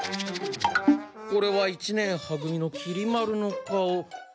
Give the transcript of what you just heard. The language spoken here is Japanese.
これは一年は組のきり丸の顔。